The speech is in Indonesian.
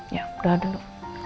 ya berdoa dulu